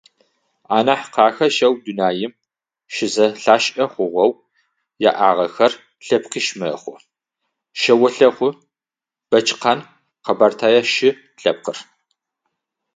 Анахь къахэщэу, дунаим щызэлъашӏэ хъугъэу яӏагъэхэр лъэпкъищ мэхъу: шъэолъэхъу, бэчкъан, къэбэртэе шы лъэпкъыр.